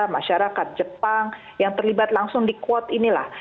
masyarakat jepang yang terlibat langsung di quote inilah